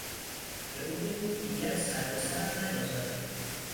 به او بگو دیگر سر به سرم نگذارد!